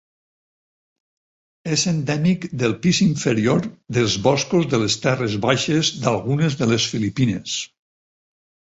És endèmic del pis inferior dels boscos de les terres baixes d'algunes de les Filipines.